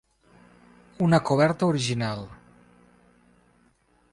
Una coberta original.